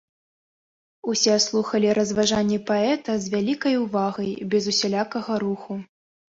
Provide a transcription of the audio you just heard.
Усе слухалі разважанні паэта з вялікай увагай, без усялякага руху.